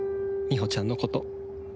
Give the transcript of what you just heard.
みほちゃんのこと